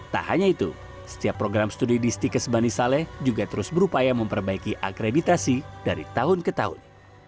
tak hanya itu setiap program studi di stikes bani saleh juga terus berupaya memperbaiki akreditasi dari tahun ke tahun